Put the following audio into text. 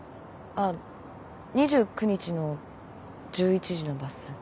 あっ２９日の１１時のバス。